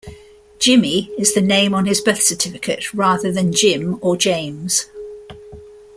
"Jimmy" is the name on his birth certificate, rather than "Jim" or "James".